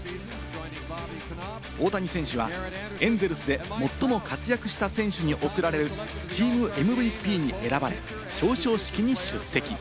大谷選手はエンゼルスで最も活躍した選手に贈られるチームＭＶＰに選ばれ、表彰式に出席。